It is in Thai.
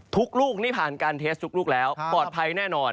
ลูกนี่ผ่านการเทสทุกลูกแล้วปลอดภัยแน่นอน